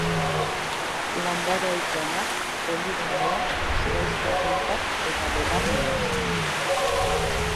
Landare ohikoenak olibondoa, zuhaixka arruntak eta belar lehorra.